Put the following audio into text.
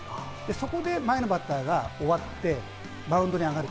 そこで前のバッターが終わって、マウンドに上がる。